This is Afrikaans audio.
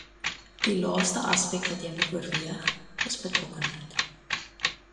Die laaste aspek wat jy moet oorweeg, is betrokkenheid.